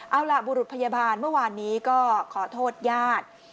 เอาล่ะบุรุษพยาบาลเมื่อวานนี้ก็ขอโทษญาติ